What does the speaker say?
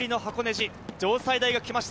城西大学が来ました。